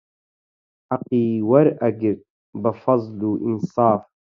حەقی وەرئەگرت بە فەزڵ و ئینساف